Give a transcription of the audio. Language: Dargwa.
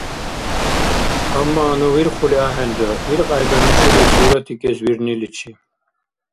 Амма ну вирхули ахӀенра, илкьяйда мешули суратикӀес вирниличи.